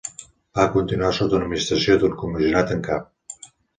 Va continuar sota administració d'un Comissionat en cap.